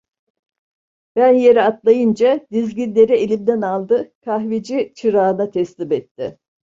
Ben yere atlayınca dizginleri elimden aldı, kahveci çırağına teslim etti.